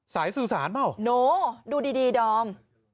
สายสื่อสารเปล่าหนูดูดีดอม